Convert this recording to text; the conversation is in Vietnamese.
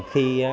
rất là vui mừng